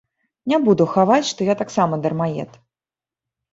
Не буду хаваць, што я таксама дармаед.